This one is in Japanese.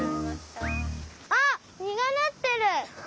あっみがなってる！